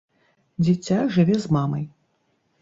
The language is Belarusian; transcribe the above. Дзіця жыве з мамай.